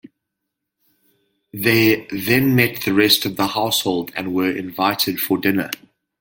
They then met the rest of the household and were invited for dinner.